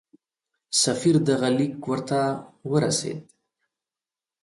سفیر دغه لیک ورته ورسېد.